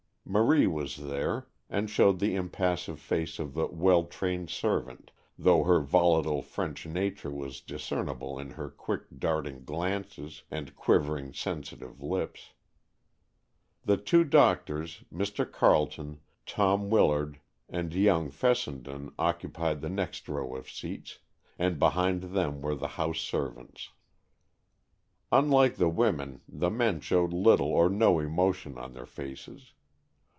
Marie was there, and showed the impassive face of the well trained servant, though her volatile French nature was discernible in her quick darting glances and quivering, sensitive lips. The two doctors, Mr. Carlton, Tom Willard, and young Fessenden occupied the next row of seats, and behind them were the house servants. Unlike the women, the men showed little or no emotion on their faces.